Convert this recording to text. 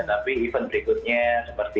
tapi event berikutnya seperti